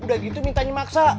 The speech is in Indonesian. udah gitu minta minta maksa